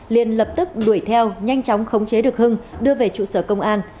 liên lập tức đuổi theo nhanh chóng khống chế được hưng đưa về trụ sở công an